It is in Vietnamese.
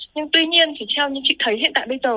nhưng tuy nhiên thì theo như chị thấy hiện tại bây giờ